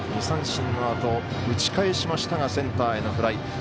２三振のあと打ち返しましたがセンターへのフライ。